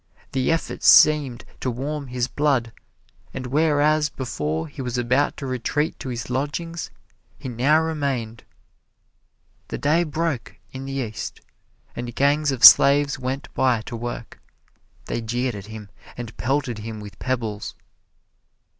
The effort seemed to warm his blood, and whereas before he was about to retreat to his lodgings he now remained. The day broke in the east, and gangs of slaves went by to work. They jeered at him and pelted him with pebbles.